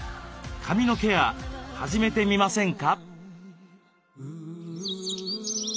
髪のケア始めてみませんか？